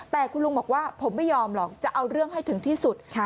แต่ท่านบอกว่าพอเราไม่ยอมหรอกจะเอาเรื่องให้ถึงที่สุด